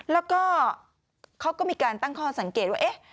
แล้วก็เขาก็มีการตั้งข้อสังเกตว่าเอ๊ะ